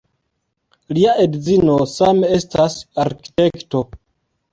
Lia edzino same estas arkitekto.